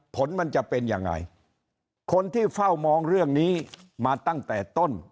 ผลมันจะเป็นยังไงคนที่เฝ้ามองเรื่องนี้มาตั้งแต่ต้น